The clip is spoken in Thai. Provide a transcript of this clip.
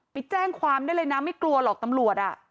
ไปแจ้งความได้เลยนะไม่กลัวหรอกตำรวจ